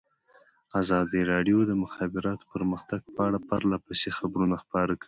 ازادي راډیو د د مخابراتو پرمختګ په اړه پرله پسې خبرونه خپاره کړي.